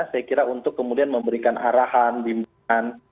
saya kira untuk kemudian memberikan arahan bimbingan